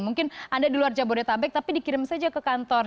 mungkin anda di luar jabodetabek tapi dikirim saja ke kantor